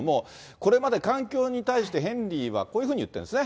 これまで環境に対してヘンリーはこういうふうに言ってるんですね。